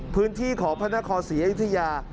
พื้นที่ของพระนครศรีอยุธยา